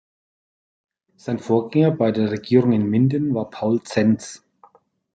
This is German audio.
Sein Vorgänger bei der Regierung in Minden war Paul Zenz.